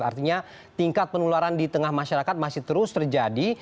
artinya tingkat penularan di tengah masyarakat masih terus terjadi